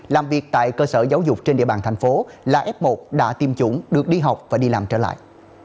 làm việc tại cơ sở giáo dục trên địa bàn thành phố là f một đã tiêm chủng được đi học và đi làm trở lại